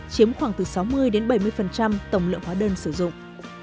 chiếm khoảng từ sáu mươi bảy mươi tổng lượng hóa đơn sử dụng